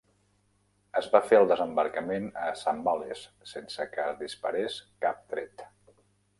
Es va fer el desembarcament a Zambales sense que es disparés cap tret.